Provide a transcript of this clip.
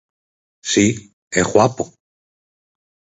Si, é guapo.